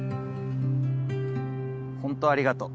ホントありがとう